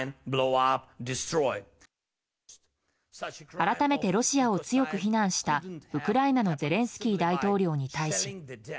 改めてロシアを強く非難したウクライナのゼレンスキー大統領に対し。